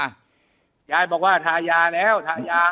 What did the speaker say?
ยายบอกว่าทายาแล้วทายา